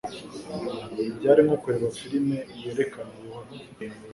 Byari nko kureba firime yerekana buhoro.